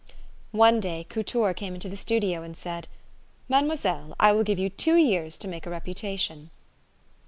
One day Couture came into the studio, and said, " Mademoiselle, I will give you two years to make a reputation."